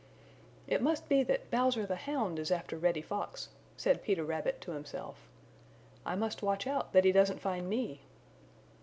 "It must be that Bowser, the hound, is after Reddy Fox," said Peter Rabbit to himself. "I must watch out that he doesn't find me."